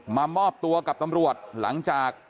มามอบตัวกับตำรวจหลังจาก